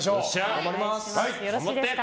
頑張ります。